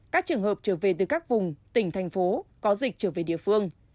các trường hợp trở về từ các vùng tỉnh thành phố có dịch trở về địa phương